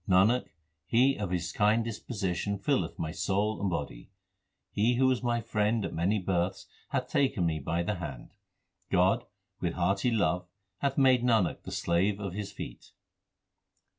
Nanak, He of His kind disposition filleth my soul and body. He who was my friend at many births hath taken me by the hand. God with hearty love hath made Nanak the slave of His feet.